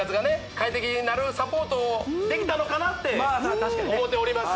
快適になるサポートをできたのかなって思うております